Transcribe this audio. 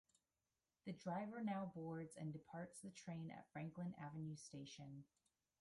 The driver now boards and departs the train at Franklin Avenue Station.